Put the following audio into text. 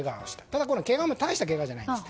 ただこのけがも大したけがじゃないんです。